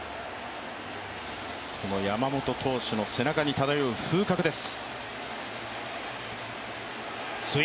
この山本投手の背中に漂う風格です。